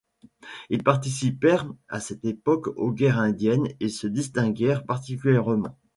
Ils participèrent à cette époque aux guerres indiennes et se distinguèrent particulièrement.